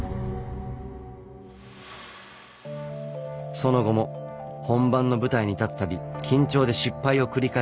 その後も本番の舞台に立つ度緊張で失敗を繰り返しました。